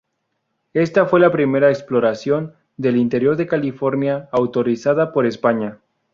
Ésta fue la primera exploración del interior de California autorizada por España.